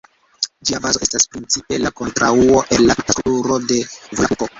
Ĝia bazo estas principe la kontraŭo al la tuta strukturo de Volapuko.